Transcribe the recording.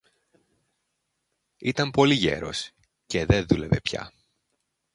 Ήταν πολύ γέρος, και δε δούλευε πια